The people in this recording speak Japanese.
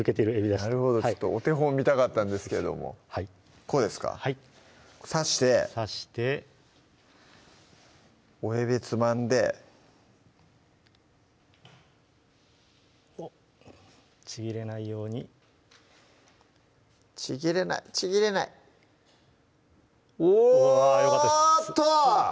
なるほどお手本見たかったんですけどもこうですか刺して刺して親指でつまんでおっちぎれないようにちぎれないちぎれないおっと！